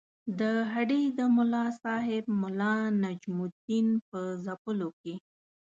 د هډې د ملاصاحب ملا نجم الدین په ځپلو کې.